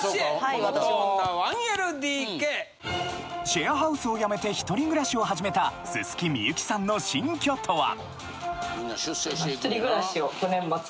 シェアハウスをやめて１人暮らしを始めた薄幸さんの新居とは？